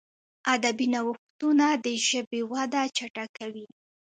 ادبي نوښتونه د ژبي وده چټکوي.